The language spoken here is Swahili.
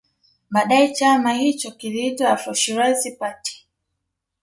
Baadae chama hicho kiliitwa Afro Shirazi Party